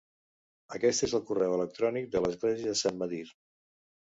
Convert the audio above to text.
Aquest és el correu electrònic de l'església de Sant Medir.